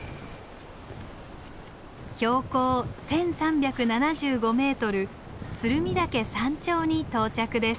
標高１，３７５ｍ鶴見岳山頂に到着です。